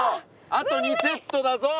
あと２セットだぞ！